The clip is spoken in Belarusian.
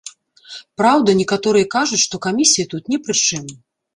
Праўда, некаторыя кажуць, што камісія тут не пры чым.